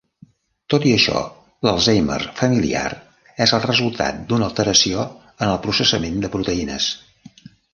Tot i això, l'Alzheimer familiar és el resultat d'una alteració en el processament de proteïnes.